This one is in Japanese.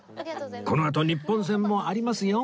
このあと日本戦もありますよ